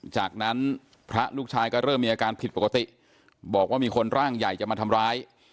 จากนั้นพระลูกชายก็เริ่มมีอาการผิดปกติบอกว่ามีคนร่างใหญ่จะมาทำร้าย